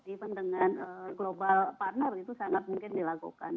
even dengan global partner itu sangat mungkin dilakukan